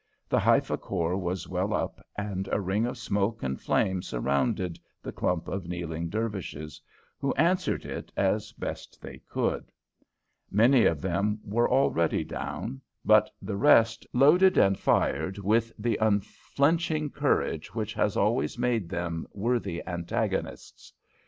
The Haifa Corps was well up, and a ring of smoke and flame surrounded the clump of kneeling Dervishes, who answered it as best they could. Many of them were already down, but the rest loaded and fired with the unflinching courage which has always made them worthy antagonists.